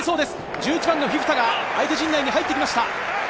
１１番のフィフィタが相手陣内に入っていきました。